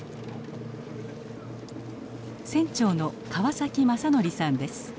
船長の川崎正紀さんです。